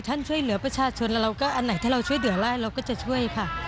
ช่วยเหลือประชาชนแล้วเราก็อันไหนถ้าเราช่วยเหลือได้เราก็จะช่วยค่ะ